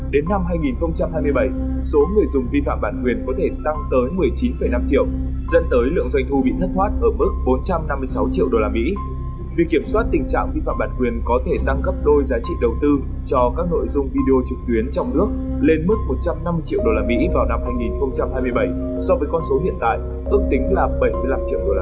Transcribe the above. lên mức một trăm linh năm triệu usd vào năm hai nghìn hai mươi bảy so với con số hiện tại ước tính là bảy mươi năm triệu usd